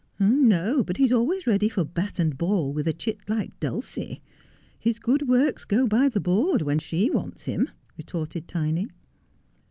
' No, but he is always ready for bat and ball with a chit like Dulcie. His good works go by the board when she wants him,' retorted Tiny.